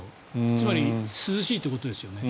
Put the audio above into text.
つまり涼しいってことですよね。